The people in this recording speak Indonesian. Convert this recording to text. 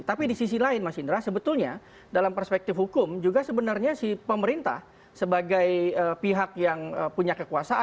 tapi di sisi lain mas indra sebetulnya dalam perspektif hukum juga sebenarnya si pemerintah sebagai pihak yang punya kekuasaan